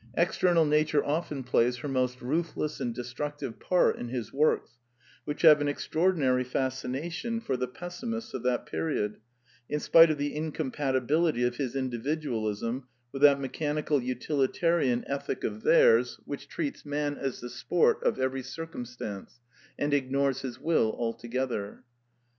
External nature often plays her most ruthless and destruc tive part in his works, which have an extraordi nary fascination for the pessimists of that period, in spite of the incompatibility of his individualism with that mechanical utilitarian ethic of theirs yo The Quintessence of Ibsenism which treats Man as the sport of every circum stance, and ignores his will altogether.